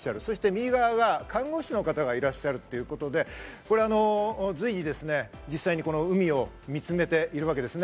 右側が看護師の方がいらっしゃるということで、随時、実際に海を見つめているわけです。